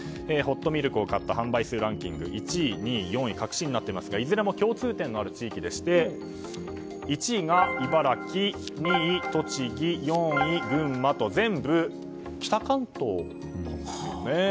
ホットミルクを買った販売数ランキング１位、２位、４位隠しになっていますがいずれも共通点のある地域でして１位が茨城、２位が栃木４位が群馬と全部、北関東なんですね。